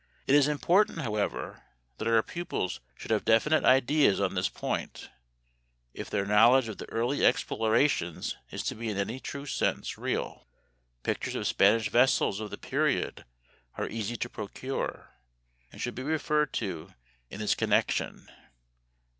It is important, however, that our pupils should have definite ideas on this point if their knowledge of the early explorations is to be in any true sense real. Pictures of Spanish vessels of the period are easy to procure, and should be referred to in this connection.